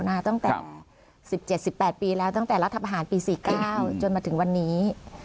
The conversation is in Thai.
มาตั้งแต่๑๗๑๘ปีแล้วตั้งแต่รัฐประหารปี๔๙จนมาถึงวันนี้